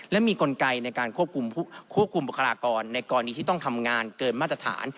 และมีกลไกในการควบคุมบุคลากรในกรณีที่ต้องทำงานเกินมาตรฐาน